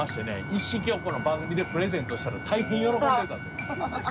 一式をこの番組でプレゼントしたら大変喜んでいたと。